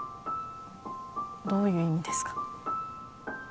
どういう意味ですか？